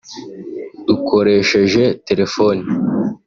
Dukoresheje telefoni